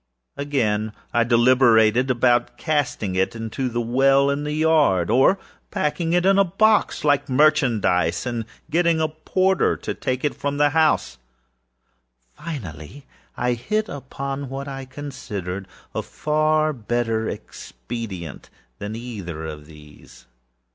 Again, I deliberated about casting it in the well in the yardâabout packing it in a box, as if merchandise, with the usual arrangements, and so getting a porter to take it from the house. Finally I hit upon what I considered a far better expedient than either of these.